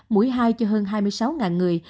mũi hai cho hơn hai mươi sáu người